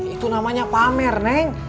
itu namanya pamer neng